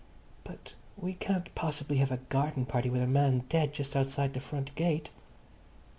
"But we can't possibly have a garden party with a man dead just outside the front gate."